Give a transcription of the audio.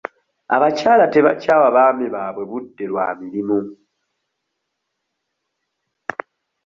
Abakyala tebakyawa baami baabwe budde lwa mirimu.